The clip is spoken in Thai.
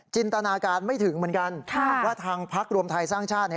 ตนาการไม่ถึงเหมือนกันว่าทางพักรวมไทยสร้างชาติ